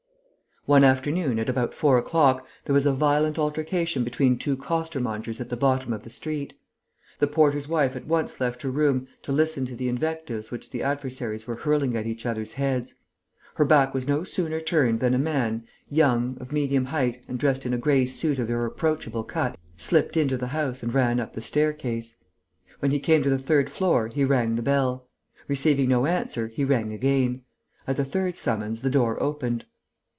One afternoon, at about four o'clock, there was a violent altercation between two costermongers at the bottom of the street. The porter's wife at once left her room to listen to the invectives which the adversaries were hurling at each other's heads. Her back was no sooner turned than a man, young, of medium height and dressed in a grey suit of irreproachable cut, slipped into the house and ran up the staircase. When he came to the third floor, he rang the bell. Receiving no answer, he rang again. At the third summons, the door opened.